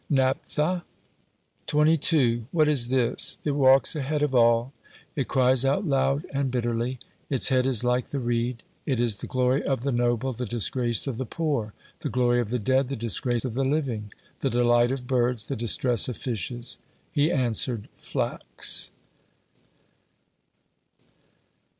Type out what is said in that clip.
"Naphtha." 22. "What is this? It walks ahead of all; it cries out loud and bitterly; its head is like the reed; it is the glory of the noble, the disgrace of the poor; the glory of the dead, the disgrace of the living; the delight of birds, the distress of fishes." He answered: "Flax."